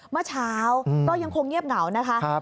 เมื่อเช้าก็ยังคงเงียบเหงานะคะ